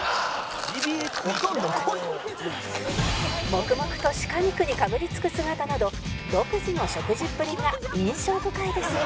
黙々と鹿肉にかぶりつく姿など独自の食事っぷりが印象深いですが